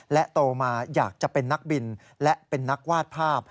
โตมาอยากจะเป็นนักบินและเป็นนักวาดภาพ